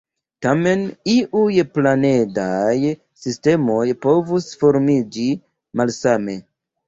Tamen, iuj planedaj sistemoj povus formiĝi malsame.